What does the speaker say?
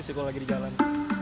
sih kalo lagi di jalan